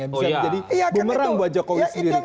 yang bisa jadi bumerang buat jokowi sendiri ke depannya